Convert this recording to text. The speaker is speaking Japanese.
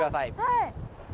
はい。